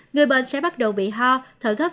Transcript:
người bệnh sẽ bắt đầu bị ho thở gấp